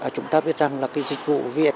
chúng ta biết rằng là cái dịch vụ vssid